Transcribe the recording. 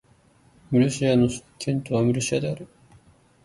ムルシア県の県都はムルシアである